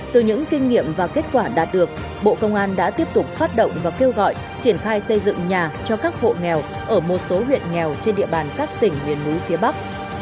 từ những kinh nghiệm và kết quả đạt được bộ công an đã tiếp tục phát động và kêu gọi triển khai xây dựng nhà cho các hộ nghèo ở một số huyện nghèo trên địa bàn các tỉnh huyền núi phía bắc